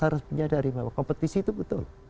harus menyadari bahwa kompetisi itu betul